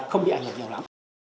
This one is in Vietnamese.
không bị ảnh hưởng nhiều lắm